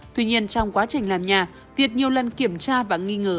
tuy nhiên trong quá trình làm nhà việt nhiều lần kiểm tra và nghi ngờ